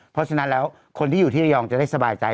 เพราะฉะนั้นแล้วคนที่อยู่ที่ระยองจะได้สบายใจ